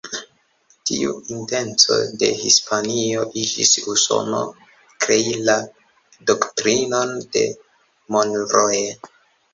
Tiu intenco de Hispanio igis Usono krei la Doktrinon de Monroe.